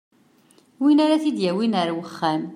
Win ara t-id-yawin ɣer uxxam.